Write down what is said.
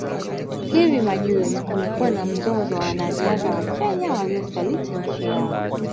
Hivi majuzi kumekuwa na mzozo wa wanariadha wa Kenya waliosaliti nchi yao